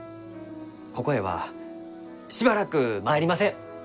ここへはしばらく参りません！